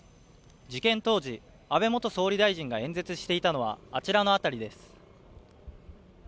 事件当時、安倍元総理大臣が演説していたのはあちらの辺りです。